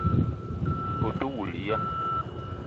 Ou te woul ya?